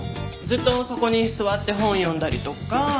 ずっとそこに座って本を読んだりとか